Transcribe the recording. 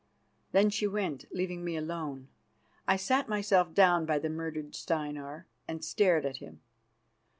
Then she went, leaving me alone. I sat myself down by the murdered Steinar, and stared at him.